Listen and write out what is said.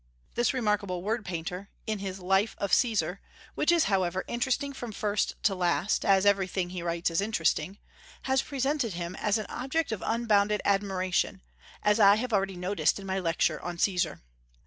This remarkable word painter, in his Life of Caesar, which is, however, interesting from first to last, as everything he writes is interesting, has presented him as an object of unbounded admiration, as I have already noticed in my lecture on Caesar.